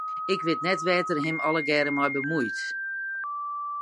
Ik wit net wêr't er him allegearre mei bemuoit.